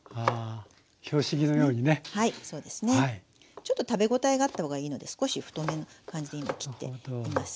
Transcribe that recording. ちょっと食べ応えがあった方がいいので少し太めの感じで今切っています。